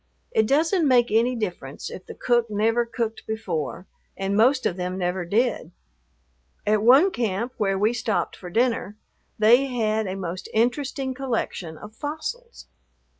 It doesn't make any difference if the cook never cooked before, and most of them never did. At one camp, where we stopped for dinner, they had a most interesting collection of fossils.